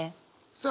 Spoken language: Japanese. さあ